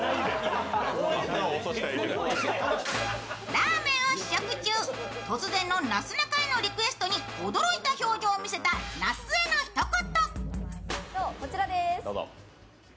ラーメンを試食中、突然のなすなかへのリクエストに驚いた表情を見せた那須へのひと言。